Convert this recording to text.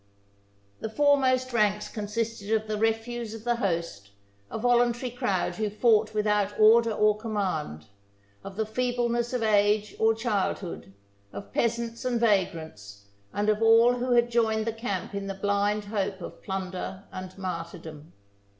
... The foremost ranks consisted of the refuse of the host, a voluntary crowd who fought without order or command ; of the feebleness of age or childhood, of peasants and vagrants, and of all who had joined the camp in the blind hope of plunder and martyrdom.